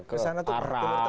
kesana tuh timur tengah